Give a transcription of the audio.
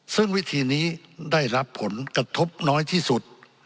ซึ่งวิธีนี้ได้รับผลกระทบน้อยที่สุด